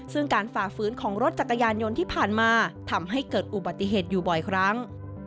ซึ่งการฝ่าฝืนของรถจักรยานยนต์ที่ผ่านมาทำให้เกิดอุบัติเหตุอยู่บ่อยครั้ง